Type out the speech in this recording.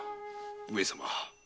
上様。